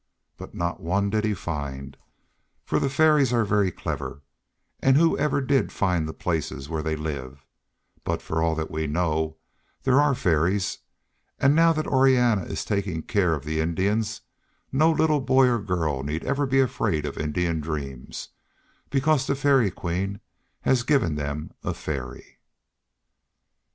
But not one did he find, for the Fairies are very clever, and who ever did find the places where they live; but for all that we know, there are Fairies, and now that Orianna is taking care of the Indians no little boy or girl need ever be afraid of Indian dreams, because the Fairy Queen has given them a Fairy.